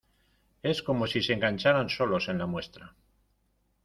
es como si se engancharan solos en la muestra.